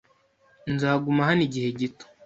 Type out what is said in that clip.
Nzaguma hano igihe gito.